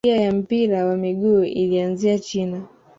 historia ya mpira wa miguu ilianzia china